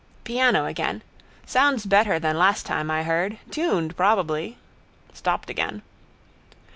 Piano again. Sounds better than last time I heard. Tuned probably. Stopped again.